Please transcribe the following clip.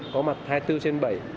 có mặt hai mươi bốn trên bảy